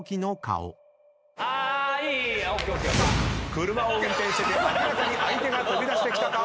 車を運転してて明らかに相手が飛び出してきた顔。